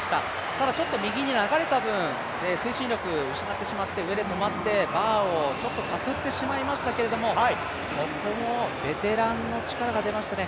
ただ右に流れた分、推進力失ってしまって上で止まってバーをちょっとかすってしまいましたけれども、ここもベテランの力が出ましたね。